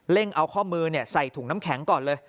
เอาข้อมือใส่ถุงน้ำแข็งก่อนเลย